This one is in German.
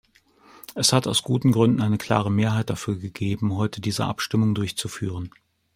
Es hat aus guten Gründen eine klare Mehrheit dafür gegeben, heute diese Abstimmung durchzuführen.